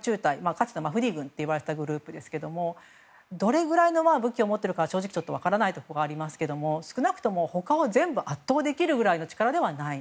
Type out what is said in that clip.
かつてマフディー軍と言われていたグループですがどれぐらい武器を持っているか分からないところがありますが少なくとも他を圧倒できるぐらいの力ではない。